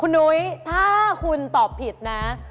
นุ้ยถ้าคุณตอบผิดนะ